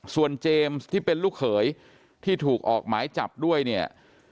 ส่วนเจมส์ที่เป็นลูกเขยที่ถูกออกหมายจับด้วยเนี่ย